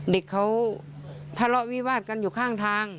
เด็กเขาทะเลาะวิวาดกันอยู่ข้างทาง